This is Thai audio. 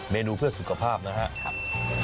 นูเพื่อสุขภาพนะครับ